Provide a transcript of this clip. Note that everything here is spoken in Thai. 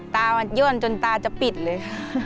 ตามันย่นจนตาจะปิดเลยค่ะ